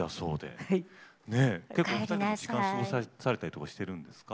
結構お二人で時間過ごされたりとかしてるんですか？